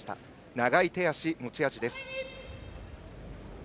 長い手足が持ち味です。